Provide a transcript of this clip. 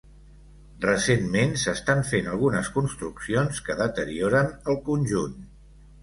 Recentment s'estan fent algunes construccions que deterioren el conjunt.